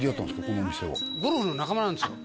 このお店はゴルフの仲間なんですよ